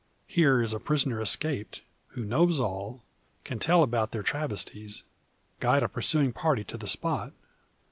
Here is a prisoner escaped, who knows all; can tell about their travesties; guide a pursuing party to the spot!